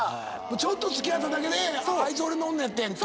ちょっと付き合っただけで「あいつ俺の女やってん」って。